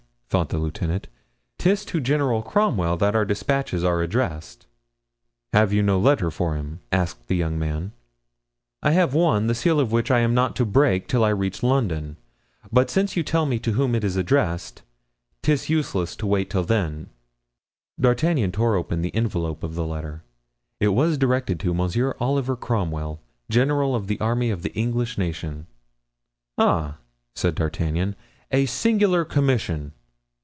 thought the lieutenant, "'tis to General Cromwell that our dispatches are addressed." "Have you no letter for him?" asked the young man. "I have one, the seal of which I am not to break till I reach London; but since you tell me to whom it is addressed, 'tis useless to wait till then." D'Artagnan tore open the envelope of the letter. It was directed to "Monsieur Oliver Cromwell, General of the Army of the English Nation." "Ah!" said D'Artagnan; "a singular commission."